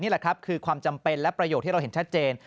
แหละครับคือความจำเป็นและประโยคที่เราเห็นชัดเจน